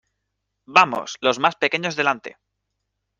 Vamos, los más pequeños delante.